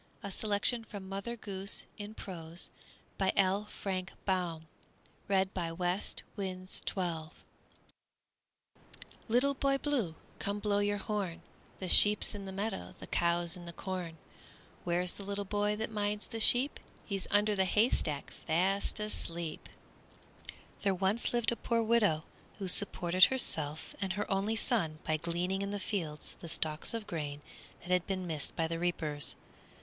[Illustration: The Story of Little Boy Blue] The Story of Little Boy Blue Little Boy Blue, come blow your horn, The sheep's in the meadow, the cow's in the corn; Where's the little boy that minds the sheep? He's under the haystack, fast asleep! THERE once lived a poor widow who supported herself and her only son by gleaning in the fields the stalks of grain that had been missed by the reapers.